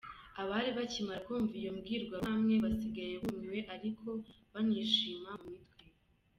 Abari bakimara kumva iyo mbwirwaruhame basigaye bumiwe ariko banishima mu mitwe.